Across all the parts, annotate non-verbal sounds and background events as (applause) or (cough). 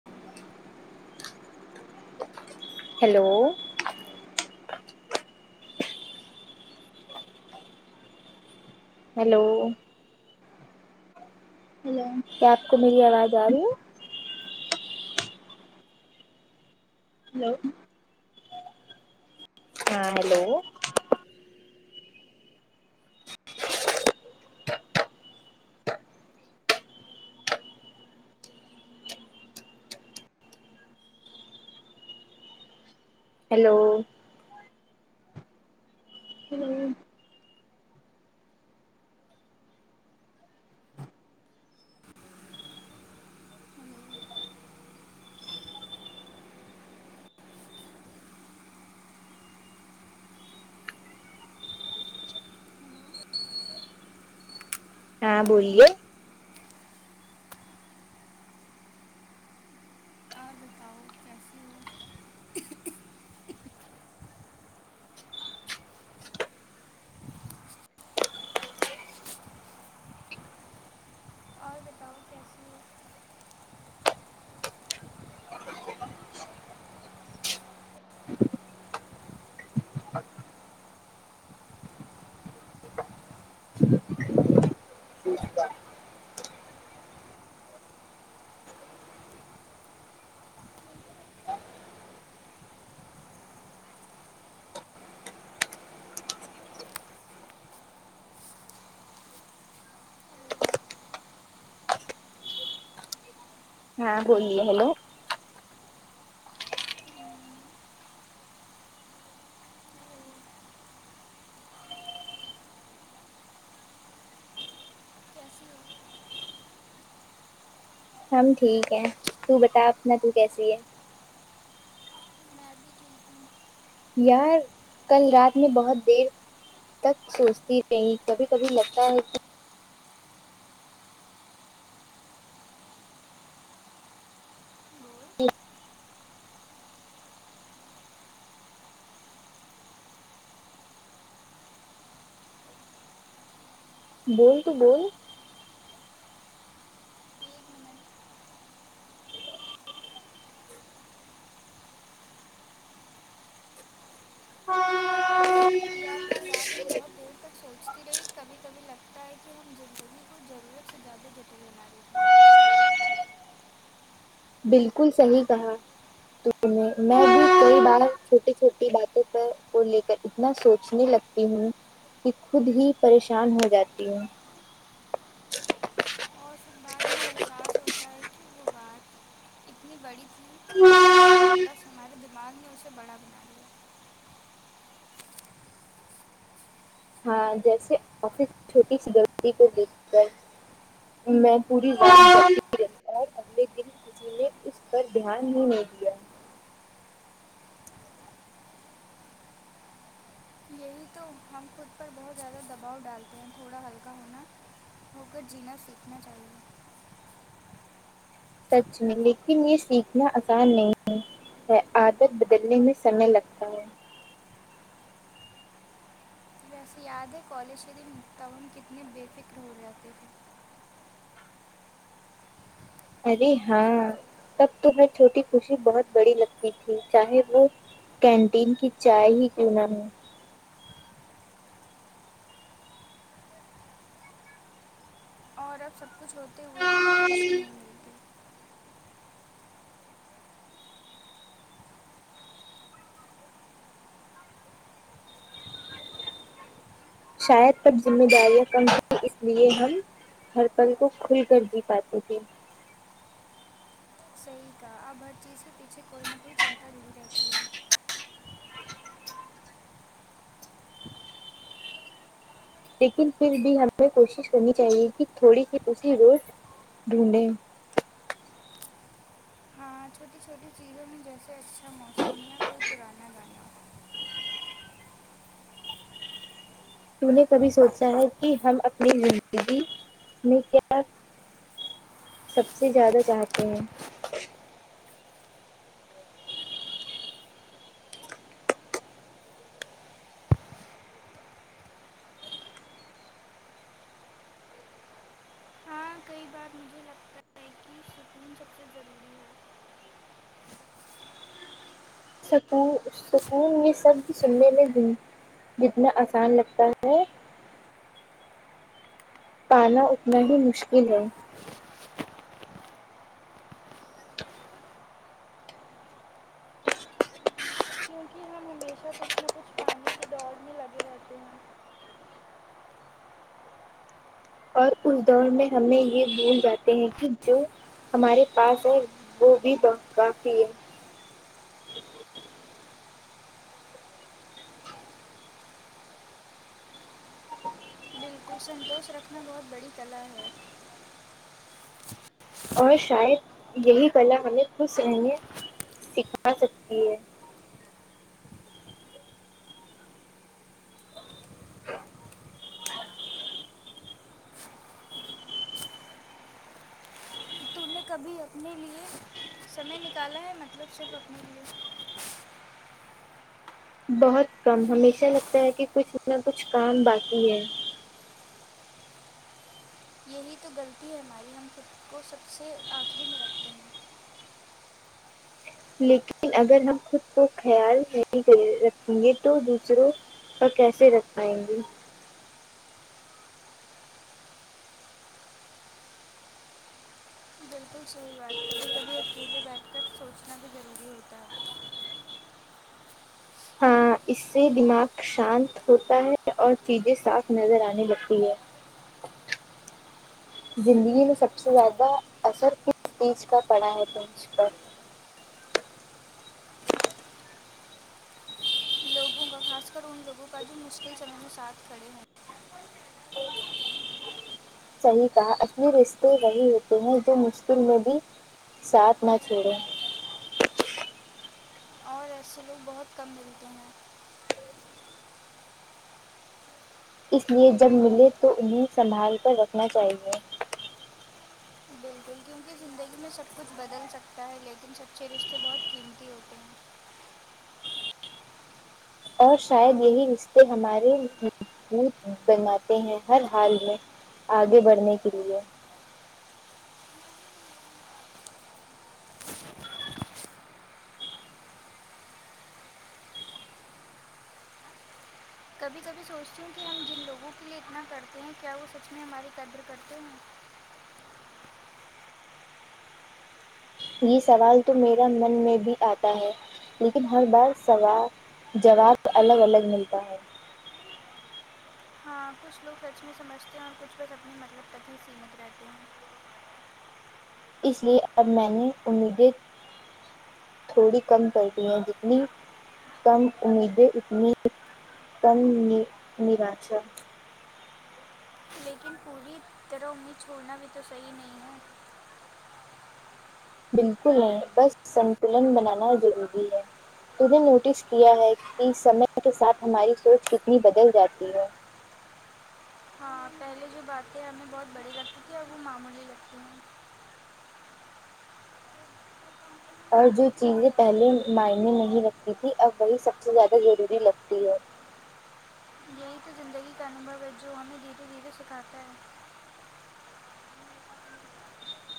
(inaudible) hello hello hello کیا آپ کو میری آواز آ رہی ہے ہیلو ہاں ہیلو ہیلو ہیلو ہاں بولیے آپ بتاؤ کیسا اور بتاؤ ہاں بولیے ہیلو جس (unintelligible) ہم ٹھیک ہے تو بتا اپنا تو کیسی ہے میں بھی ٹھیک ہوں یار کل رات میں بہت دیر تک سوچتی رہی کبھی کبھی لگتا ہے کہ بول بول تو بول ایک منٹ یار کال رات میں بہت دیر تک سوچتی رہی کبھی کبھی لگتا ہے کہ زندگی کو ضرورت سے زیادہ جٹلے بنا دیتے بالکل صحیح کہا میں بھی کئی بار چھوٹی چھوٹی باتوں پر کو لے کر اتنا سوچنے لگتی ہوں کہ خود ہی پریشان ہو جاتی ہوں اور سب بعد میں احساس ہوتا ہے کہ وہ بات اتنی بڑی تھی بس ہمارے دماغ میں اسے بڑا بنا دیا ہاں جیسے آفس چھوٹی سی غلطی کو لے کر میں پوری رات جاگتے رہی اور اگلے دن کسی نے اس پر دھیان ہی نہیں دیا یہی تو ہم خود پر بہت زیادہ دباؤ ڈالتے ہیں تھوڑا ہلکا ہونا ہو کر جینا سیکھنا چاہیے سچ میں لیکن یہ سیکھنا آسان نہیں ہے ہے عادت بدلنے میں سمے لگتا ہے رفیاد کالج شری متااون کتنے بے فکر ہو جاتے ارے ہاں تب تمہیں چھوٹی خوشی بہت بڑی لگتی تھی چاہے وہ کینٹین کی چائے ہی کیوں نہا ہے اور اب سب کچھ ہوتے ہوئے بھی وہ خوشی نہیں ہو شاید تب ذمہ داریاں کم ہویں اس لیے ہم ہر پل کو کھل کر جی پاتی تھی صحیح اب ہر چیز کے پیچھے کوئی نہ کوئی چنتا نہیں رہتی ہے لیکن پھر بھی ہمیں کوشش کرنی چاہیے کہ تھوڑی سی اسی روز ڈھونڈیں ہاں چھوٹی چھوٹی چیزوں میں جیسے اچھا موسم یا کوئی پرانا گان ت نے کبھی سوچا ہے کہ ہم اپنی زندگی میں کیا سب سے زیادہ چاہتے ہیں ہاں کئی بار لگتا ہے کہ سکون سب سے ضروری ہے سک سکون یہ سب سننے میں جتنا آسان لگتا ہے پانا اٹنا بھی مشکل ہے کیونکہ ہم ہمیشہ کچھ نہ کچھ پانی کی دوڑ میں لگے رہتے ہیں اور اس دور میں ہمیں یہ بھول جاتے ہیں کہ جو ہمارے پاس ہے وہ بھی بہت کافی ہے بالکل سنتوش رکھنا بہت بڑی کلا ہے اور شاید یہی کلا ہمیں خوش رہنے سکھا سکتی ہے ہم نے کبھی اپنے لیے سمے نکالا ہے مطلب صرف اپنے لی بہت کم ہمیشہ لگتا ہے کہ کچھ نہ کچھ کام باقی ہے یہی تو غلطی ہے ہماری ہم سب کو سب سے آخری میں رکھتے ہیں لیکن اگر ہم خود کو خیال نہیں کر رکھیں گے تو دوسروں اور کیسے رکھ پائیں گی تو صحی بات ہےبھی کبھی اکیلے بیٹھ کر سوچنا بھی ضروری ہوتا ہے ناقابل ہاں سماعت اس سے دماغ شانت ہوتا ہے اور چیزیں صاف نظر آنے لگتی ہے ناقابل سماعت زندگی میں سب سے زیادہ اثر کس چیز کا پڑا ہے تمھ پر لوگوں کا خاص کر ان لوگوں کا جو مشکل سمے میں ساتھڑے ہو صحیح کہا انے رشتے وہی ہوتے ہیں جو مشکل میں بھی ساتھ نہ چھوڑیں ہیں اور ای سلوک بہت کم ملتے ہیں اس لیے جب ملے تو انہیں سنبھال کر رکھنا چاہیے بالکل کیونکہ زندگی میں سب کچھ بدل سکتا ہے لیکن سچے رشتے بہت قیمتی ہوتے ہیں اور شاید یہی رشتے ہمارے بناتے ہیں ہر حال میں آگے بڑھنے کے لیے کبھی کبھی سوچتی ہوں کہ ہم جن لوگوں کے لیئے اتنا کرتے ہیں کیا وہ سچ میں ہماری قدر کرتے ہیں یہ سوال تو میرا من میں بھی آتا ہے لیکن ہر بار سواب جواب الگ الگ ملتا ہے ہاں کچھ لوگ سچ میں سمجھتے ہیں اور کچھ کچ اپنے مطلب ک ہی سیمت رہتے ہیں اس لیے اب میں نے امیدیں تھوڑی کم کرتی ہیں جتنی کم امیدیں اتنی کم نراشا لیکن پوری طرح انیں چھوڑنا بھی تو صحیح نہیں ہے بالکل نہیں بس سنتلن بنانا ضروری ہے تو میں نے نوٹس کیا ہے کہ سمے کے ساتھ ہماری سوچ کتنی بدل جاتی ہے ہاں پہلے جو باتیں ہمیں بہت بڑی لگتی تھی اور وہ معمولی لگتی ہے اور جو چیزیں پہلے معنی نہیں رکھتی تھی اب وہی سب سے زیادہ ضروری لگتی ہے وہی تو زندگی کا انبھو ہے جو ہمیں دھیرے دھیرے سکھاتا ہے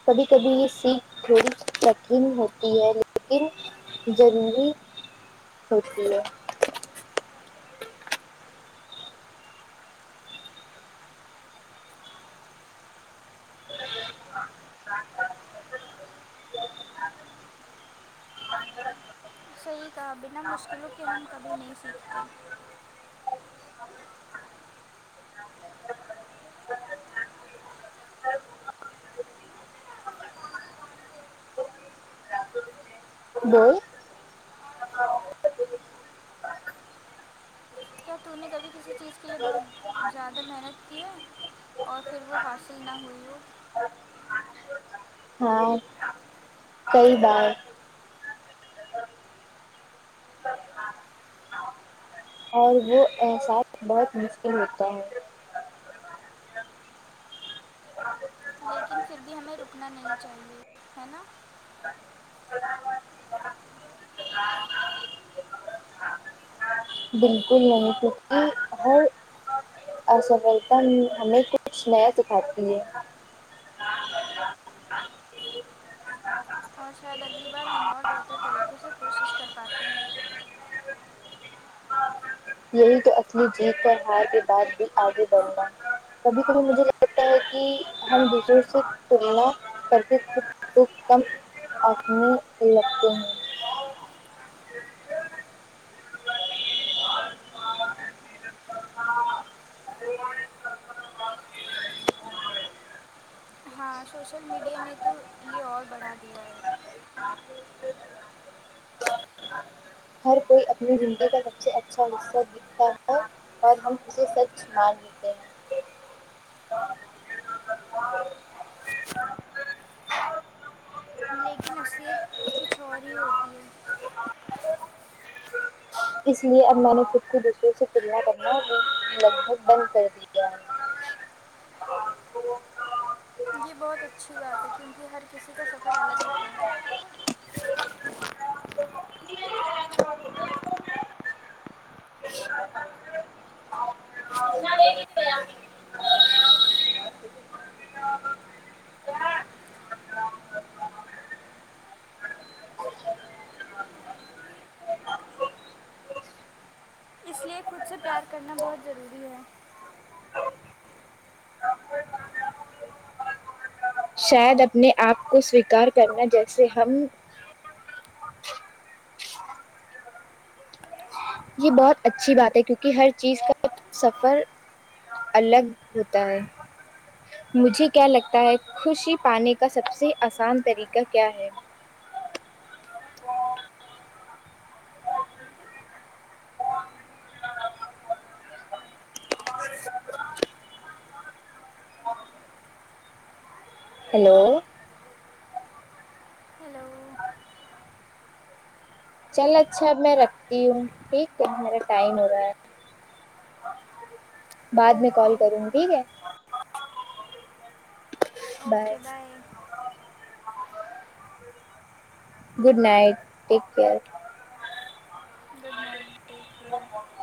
کبھی کبھی سیکھ تھوڑی کٹھن ہوتی ہے لیکن ضروری ہوتی ہے ہ صحیح کہا بنا مشکلوں کہ ہم کبھی نہیں سیکھتے بول کیا تم نے کبھی کسی اس چیز کے لیے بہت زیادہ محنت کی ہے اور پھر وہ حاصل نہ ہوئی ہو ہاں کئی بار اور وہ احساس بہت مشکل ہوتا ہے لیکن پھر بھی ہمیں رکنا نہیں چاہیے ہے نا (unintelligible) بالکل نہیں کیونکہ ہر اسفلتا ہمیں کچھ نیا سکھاتی ہے اور شاید اگلی بار ہم اور بہتر طریقے اسے کوشش کر پاتے ہیں یہی تو اصلی جیت ہے ہار کے بعد بھی آگے بڑھنا کبھی کبھی مجھے لگتا ہے کہ ہم دوسروں سے تونا س بھی کم آدمی لگتے ہیں (unintelligible) ہاں سوشل میڈیا نے تو یہ اور بڑھا دیا ہے ہر کوئی اپنی زندگی کا سب اچھا حصہ دیکھتا ہے پر ہم اسے سچ مان لے لیکن اصلیت کچھ اور ہی ہوتی ہے اس لیے اب میں نے خود کو دوسروں سے تلنا کرنا لگ بھگ بند کر دیا ہے یہ بہت اچھی بات ہے کیونکہ ہر کسی کا سفر الگ ہوتا ہے اس لیے خود سے پیار کرنا بہت ضروری ہے ہ (inaudible) آ کو (unintelligible) شاید اپنے آپ کو سویکار کرنا جیسے ہم یہ بہت اچھی بات ہے کیونکہ ہر چیز کا سفر الگ ہوتا ہے مجھے کیا لگتا ہے خوشی پانے کا سب سے آسان طریقہ کیا ہے ہیلو ہیلو چلو اچھا اب میں رکھتی ہوں ٹھیک ہے میرا ٹائم ہو رہا ہے بعد میں کال اوکے کروں گی ٹھیک ہے bye good night take care good night care ا (unintelligible)